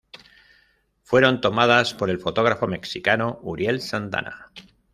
Fueron tomadas por el fotógrafo mexicano Uriel Santana.